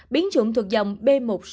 biến chủng thuộc dòng b một sáu